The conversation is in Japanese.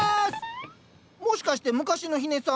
もしかして昔の日根さん？